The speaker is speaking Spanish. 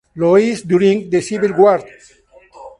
Louis during the Civil War.